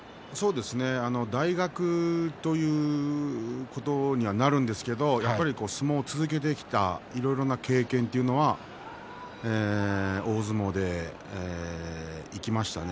大学ということにはなるんですけど相撲を続けてきたいろんな経験というのは大相撲で生きましたね。